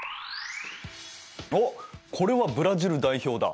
おっこれはブラジル代表だ。